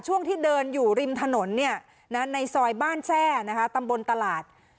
ช่วงที่เดินอยู่ริมถนนเนี้ยน่ะในซอยบ้านแทร่นะฮะตำบนตลาด